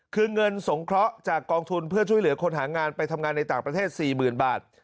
คือเงินสงเคราะห์จากกองทุนเพื่อช่วยเหลือคนหางานไปทำงานในต่างประเทศ๔๐๐๐บาท